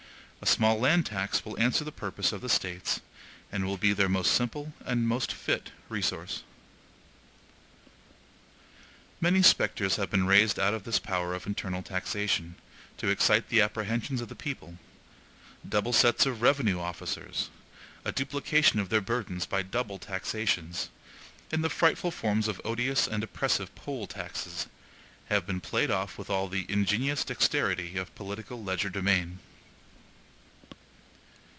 A small land tax will answer the purpose of the States, and will be their most simple and most fit resource. Many spectres have been raised out of this power of internal taxation, to excite the apprehensions of the people: double sets of revenue officers, a duplication of their burdens by double taxations, and the frightful forms of odious and oppressive poll taxes, have been played off with all the ingenious dexterity of political legerdemain.